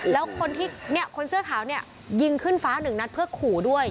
แล้วคนเสื้อขาวยิงขึ้นฟ้าหนึ่งนัดเพื่อคู่ด้วย